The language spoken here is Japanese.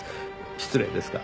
失礼ですが。